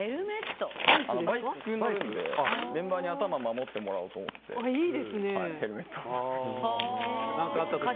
バイクに乗るのでメンバーに頭を守ってもらおうと思ってヘルメットを。